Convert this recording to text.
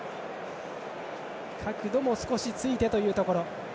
角度も少しついてというところ。